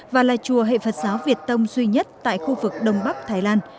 và là chùa hệ phật giáo việt tông duy nhất tại khu vực đông bắc thái lan